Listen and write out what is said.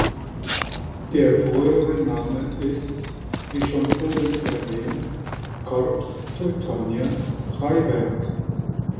Der frühere Name ist, wie schon oben erwähnt, Corps Teutonia Freiberg.